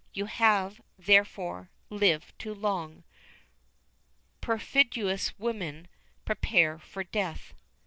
You have, therefore; lived too long. Perfidious woman, prepare for death."